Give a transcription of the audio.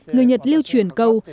người nhật lưu truyền câu